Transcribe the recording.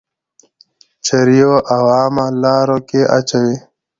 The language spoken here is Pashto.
چريو او عامه لارو کي اچوئ.